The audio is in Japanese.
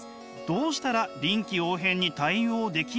どうしたら臨機応変に対応できますか？」。